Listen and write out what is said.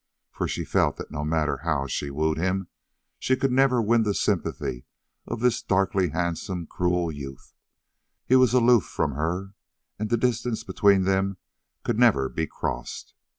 For she felt that no matter how she wooed him, she could never win the sympathy of this darkly handsome, cruel youth; he was aloof from her, and the distance between them could never be crossed.